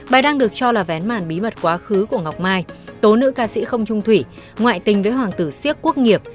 bài đăng được cho là vén màn bí mật quá khứ của ngọc mai tố nữ ca sĩ không trung thủy ngoại tình với hoàng tử siếc quốc nghiệp